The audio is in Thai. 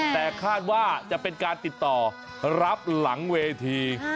แต่คาดว่าจะเป็นการติดต่อรับหลังเวที